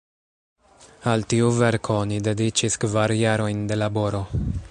Al tiu verko oni dediĉis kvar jarojn de laboro.